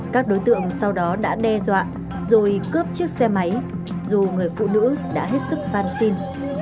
các đối tượng sau đó đã đe dọa rồi cướp chiếc xe máy dù người phụ nữ đã hết sức phan xin